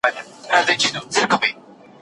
د خدای کار وو هلکان دواړه لویان سوه